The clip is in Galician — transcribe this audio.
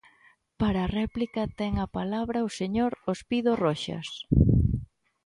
Para a réplica, ten a palabra o señor Ospido Roxas.